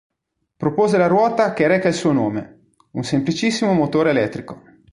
Propose la ruota che reca il suo nome, un semplicissimo motore elettrico.